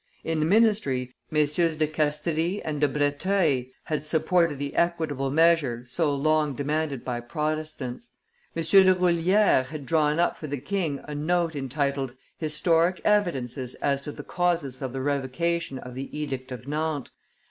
In the ministry, MM. de Castries and De Breteuil had supported the equitable measure so long demanded by Protestants. M. de Rulhieres had drawn up for the king a note, entitled: Historic Evidences as to the Causes of the Revocation of the Edict of Nantes, and M.